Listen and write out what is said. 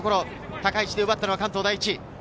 高い位置で奪ったのは関東第一。